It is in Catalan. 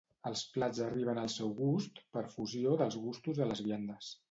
Els plats arriben al seu gust per fusió dels gustos de les viandes